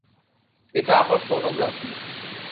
এটা আমার সোনোগ্রাফি।